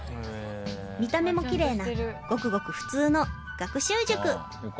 見た目も奇麗なごくごく普通の学習塾